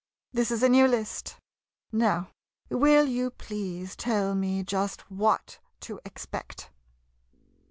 This is a new list? Now, will you please tell me just what to expect.